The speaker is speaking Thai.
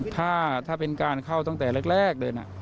ถ้าเป็นการเข้าตั้งแต่แรกเลย